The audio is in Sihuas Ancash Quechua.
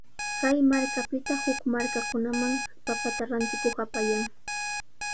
Kay markapita huk markakunaman papata rantikuq apayan.